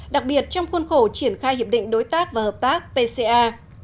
đặc biệt trong khuôn khổ triển khai hiệp định đối tác và hợp tác pca